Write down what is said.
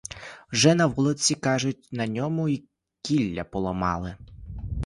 Вже на вулиці, кажуть, на ньому й кілля поламали.